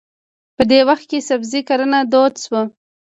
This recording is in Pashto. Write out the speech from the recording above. په دې وخت کې سبزي کرنه دود شوه.